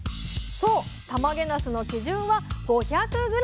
そうたまげなすの基準は５００ｇ！